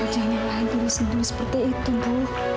janganlah diri sendiri seperti itu bu